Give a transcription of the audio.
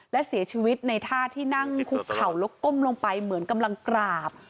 และเสียชีวิตในท่าที่นั่งคุกเข่าแล้วก้มลงไปเหมือนกำลังกราบ